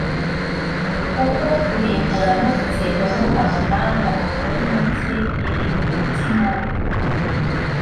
kuko kurimbura no gutsembaho amahanga atari make biri mu mutima we